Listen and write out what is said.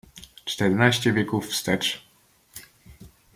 "Czternaście wieków wstecz."